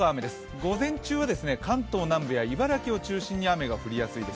午前中は関東南部や茨城を中心に雨が降りやすいです。